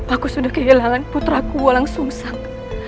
aku sudah kehilangan putraku walang sungsang